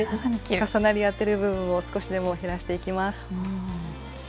重なり合ってる部分を少しでも減らしていきます。